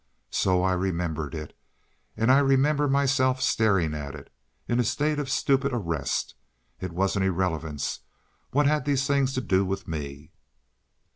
So I remembered it, and I remember myself staring at it—in a state of stupid arrest. It was an irrelevance. What had these things to do with me?